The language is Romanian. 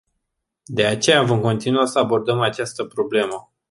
De aceea, vom continua să abordăm această problemă.